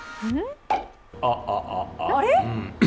あれ？